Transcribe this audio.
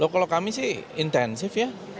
kalau kami sih intensif ya